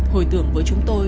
hồi tưởng với chúng tôi